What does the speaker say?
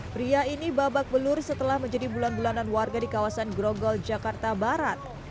pria ini babak belur setelah menjadi bulan bulanan warga di kawasan grogol jakarta barat